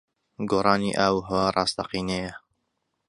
گۆڕانی ئاووھەوا ڕاستەقینەیە.